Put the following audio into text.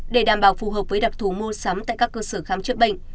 để đảm bảo phù hợp với đặc thù mua sắm tại các cơ sở khám chữa bệnh